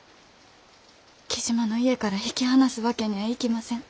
雉真の家から引き離すわけにゃあいきません。